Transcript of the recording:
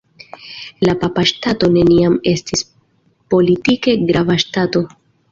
La Papa Ŝtato neniam estis politike grava ŝtato.